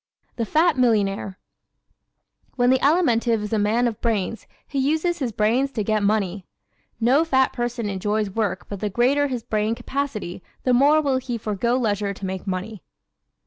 The Fat Millionaire ¶ When the Alimentive is a man of brains he uses his brains to get money. No fat person enjoys work but the greater his brain capacity the more will he forego leisure to make money.